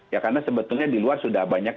ya karena sebetulnya di luar sudah banyak